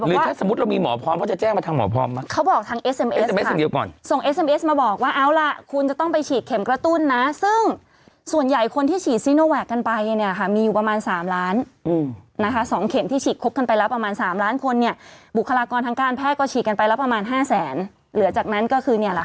หรือถ้าสมมุติเรามีหมอพร้อมเขาจะแจ้งมาทางหมอพร้อมมาก